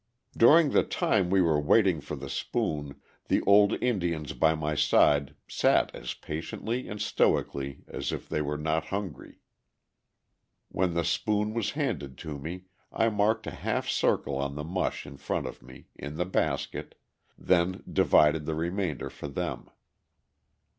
During the time we were waiting for the spoon the old Indians by my side sat as patiently and stoically as if they were not hungry. When the spoon was handed to me, I marked a half circle on the mush in front of me, in the basket, then divided the remainder for them.